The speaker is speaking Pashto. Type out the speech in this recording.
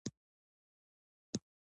د زابل په میزانه کې د کرومایټ نښې شته.